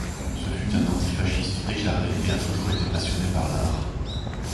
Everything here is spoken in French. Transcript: Ce fut un antifasciste déclaré et a toujours été passionné par l'art.